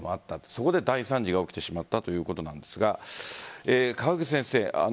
そこで大惨事が起きてしまったということなんですが川口先生